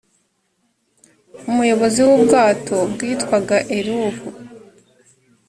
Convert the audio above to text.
umuyobozi w’ubwato bwitwaga elihu